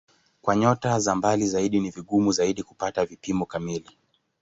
Kwa nyota za mbali zaidi ni vigumu zaidi kupata vipimo kamili.